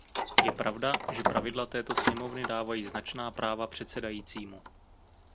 Je pravda, že pravidla této sněmovny dávají značná práva předsedajícímu.